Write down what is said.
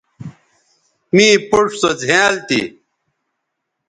می پوڇ سو زھیائنل تھی